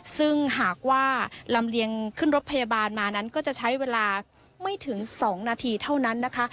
ซึ่งหากว่าลำเลียงขึ้นรถพยาบาลมานั้นก็จะใช้เวลาไม่ถึง๒นาทีเท่านั้นนะคะ